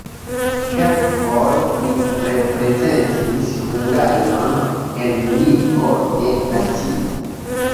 Kelkfoje li reprezentis Hungarion en Ligo de Nacioj.